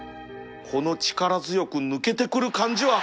この力強く抜けてくる感じは